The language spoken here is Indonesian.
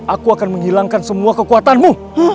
aku akan menghilangkan semua kekuatanmu